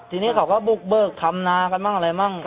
ทีนี้เขาก็บุกเบิกทำหน้ากันบ้างอะไรบ้าง